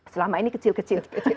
selama ini kecil kecil